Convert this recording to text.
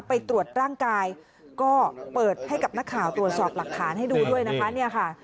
ไปตรวจร่างกายก็เปิดให้กับนักข่าวตรวจสอบหลักฐานให้ดูด้วยนะคะเนี่ยค่ะ